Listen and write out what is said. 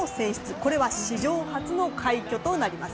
これは史上初の快挙となります。